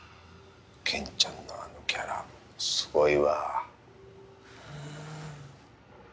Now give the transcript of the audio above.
ケンちゃんのあのキャラすごいわ。ね。